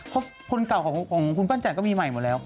เพราะคนเก่าของคุณปั้นจันทร์ก็มีใหม่หมดแล้ว